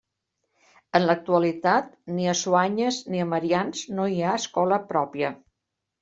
En l'actualitat, ni a Soanyes ni a Marians no hi ha escola pròpia.